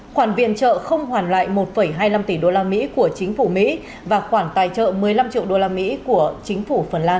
khoản viện trợ không hoàn lại một hai mươi năm tỷ usd của chính phủ mỹ và khoản tài trợ một mươi năm triệu đô la mỹ của chính phủ phần lan